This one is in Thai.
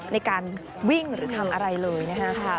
ในการวิ่งหรือทำอะไรเลยนะคะ